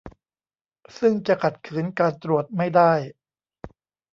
ซึ่งจะขัดขืนการตรวจไม่ได้